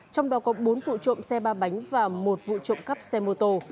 trong đó có bốn vụ trộm xe ba bánh và một vụ trộm cắp xe mô tô